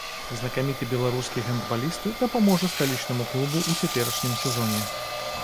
Знакаміты беларускі гандбаліст дапаможа сталічнаму клубу ў цяперашнім сезоне.